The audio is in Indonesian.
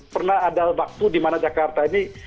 pernah ada waktu dimana jakarta ini